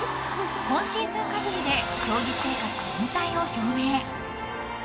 今シーズン限りで競技生活の引退を表明。